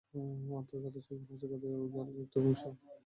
অর্থাৎ, খাদ্য শৃঙ্খল হচ্ছে খাদ্য জালের একটি অংশ।